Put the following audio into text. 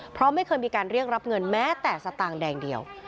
เพราะไม่เคยมีการเรียกรับเงินแม้แต่สตางค์แดงเดียว